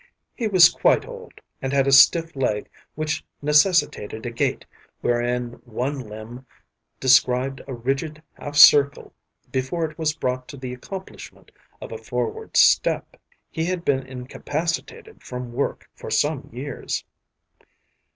He was quite old, and had a stiff leg which necessitated a gait wherein one limb described a rigid half circle before it was brought to the accomplishment of a forward step. He had been incapacitated from work for some years.